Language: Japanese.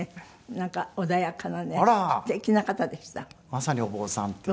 まさにお坊さんっていう。